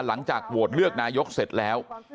หลังจากโหวตเลือกนายกเสร็จแล้ว